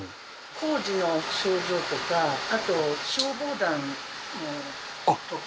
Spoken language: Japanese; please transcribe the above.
工事の賞状とかあと消防団のとか。